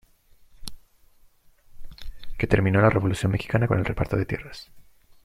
Que terminó en la Revolución Mexicana con el reparto de tierras.